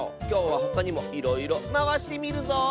きょうはほかにもいろいろまわしてみるぞ。